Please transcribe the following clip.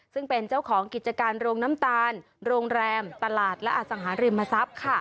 ซึ่งเป็นเจ้าของกิจการโรงน้ำตาลโรงแรมตลาดและอสังหาริมทรัพย์